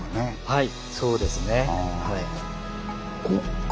はい。